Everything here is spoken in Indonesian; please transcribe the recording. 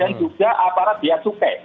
dan juga aparat biaya cukai